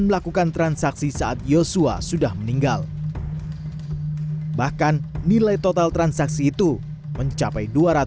melakukan transaksi saat yosua sudah meninggal bahkan nilai total transaksi itu mencapai